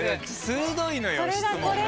鋭いのよ質問が。